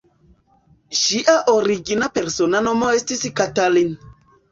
Ŝia origina persona nomo estis "Katalin".